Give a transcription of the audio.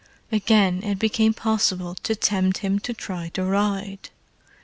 Again it became possible to tempt him to try to ride.